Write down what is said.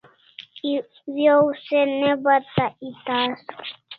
Ek hawaw se ne bata eta asaw